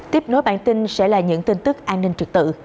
tiếp nối bản tin sẽ là những tin tức an ninh trực tự